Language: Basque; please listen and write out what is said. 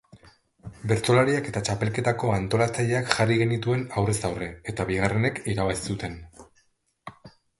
Bertsolariak eta txapelketako antolatzaileak jarri genituen aurrez aurre, eta bigarrenek irabazi zuten.